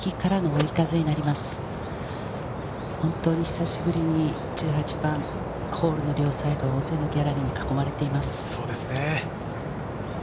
本当に久しぶりに１８番、大勢のギャラリーに囲まれています。